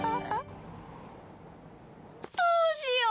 どうしよう！